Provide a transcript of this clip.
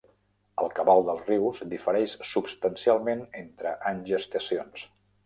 El cabal dels rius difereix substancialment entre anys i estacions.